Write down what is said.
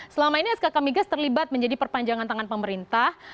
selama ini skk migas terlibat menjadi perpanjangan tangan pemerintah